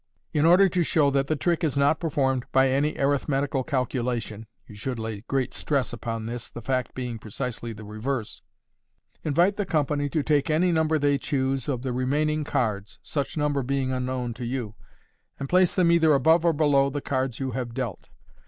In order to show that the trick is not performed by any arithmetical calculation (you should lay great stress upon this, the fact being precisely the reverse), invite the company to take any number they choose of the remaining cards (such number being unknown to you), and place them either above or below the cards you have dealt.